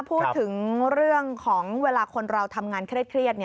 พูดถึงเรื่องของเวลาคนเราทำงานเครียด